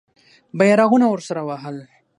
بیرغونه ورسره وهل.